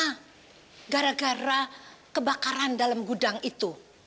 karena gara gara kebakaran dalam gudang itu